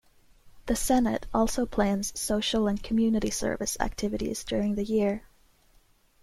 The Senate also plans social and community service activities during the year.